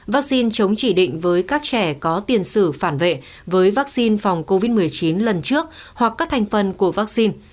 vaccine chống chỉ định với các trẻ có tiền sử phản vệ với vaccine phòng covid một mươi chín lần trước hoặc các thành phần của vaccine